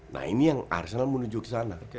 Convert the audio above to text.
nah ini yang arsenal menuju ke sana